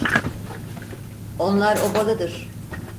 Onlar obalıdır.